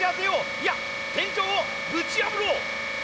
いや天井をぶち破ろう！